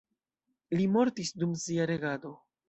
Li mortis dum sia regado.